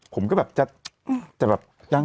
ผมก็แบบจะยัง